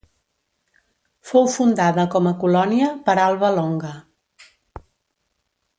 Fou fundada com a colònia per Alba Longa.